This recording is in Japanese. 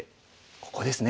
ここですね。